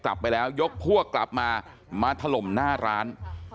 กลับไปแล้วยกพวกกลับมามาถล่มหน้าร้าน